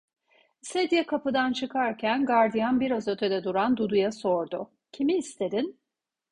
Sedye kapıdan çıkarken gardiyan biraz ötede duran Dudu'ya sordu: "Kimi istedin?"